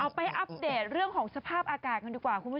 เอ้าไปอัปเดตเรื่องของสภาพอากาศกันดีกว่า